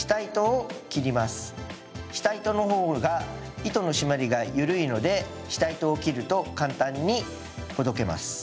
下糸の方が糸の締まりが緩いので下糸を切ると簡単にほどけます。